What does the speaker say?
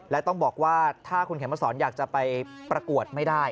และต้องบอกว่าถ้าคุณเข็มมาสอนอยากจะไปประกวดไม่ได้